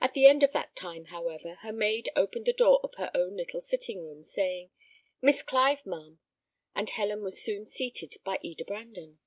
At the end of that time, however, her maid opened the door of her own little sitting room, saying, "Miss Clive, ma'am," and Helen was soon seated by Eda Brandon.